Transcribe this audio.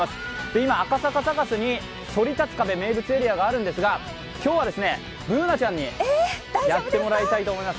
今、赤坂サカスにそり立つ壁、名物企画があるんですが、今日はＢｏｏｎａちゃんにやってもらいたいと思います。